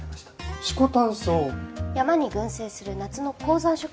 山に群生する夏の高山植物です。